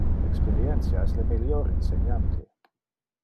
Experientia es le melior inseniante.